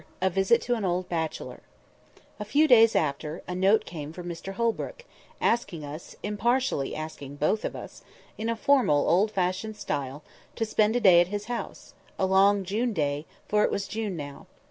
A VISIT TO AN OLD BACHELOR A FEW days after, a note came from Mr Holbrook, asking us—impartially asking both of us—in a formal, old fashioned style, to spend a day at his house—a long June day—for it was June now.